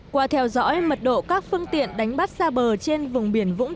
qua theo dõi mật độ các phương tiện đánh bắt xa bờ trên vùng biển vũng tàu